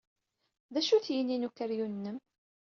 D acu-t yini n ukeryun-nnem?